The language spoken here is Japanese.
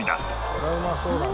これはうまそうだな。